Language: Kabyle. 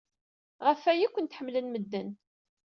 Ɣef waya ay ken-ḥemmlen medden.